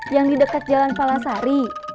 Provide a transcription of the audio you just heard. yang di dekat jalan palasari